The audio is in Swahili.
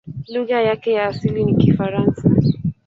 Lugha yake ya asili ni Kifaransa.